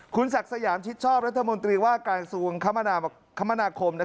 คุณศักดิ์สยามชิดชอบรัฐมนตรีว่าการกระทรวงคมนาคม